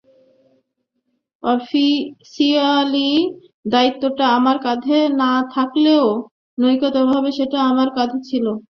Officially দায়িত্বটা আমার কাঁধে না থাকলেও, নৈতিকভাবে সেটা আমার কাঁধে ছিল।